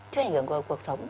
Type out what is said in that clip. chưa ảnh hưởng đến cuộc sống